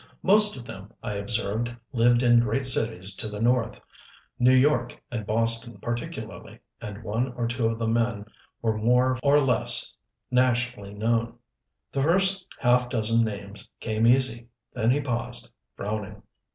Most of them, I observed, lived in great cities to the North, New York and Boston particularly, and one or two of the men were more or less nationally known. The first half dozen names came easy. Then he paused, frowning.